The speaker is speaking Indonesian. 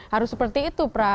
harus seperti itu prab